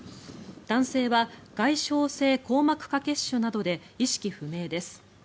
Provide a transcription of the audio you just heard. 男性は外傷性硬膜下血腫などで意識不明です。